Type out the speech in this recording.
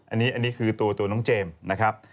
อันนี้คือตัวน้องเจมส์นะครับ